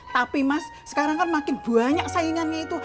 tapi mas sekarang kan makin banyak saingannya itu